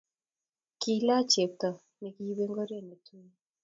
kiilach chepto ne kiibei ngorie ne tui